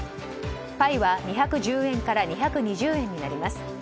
パイは２１０円から２２０円になります。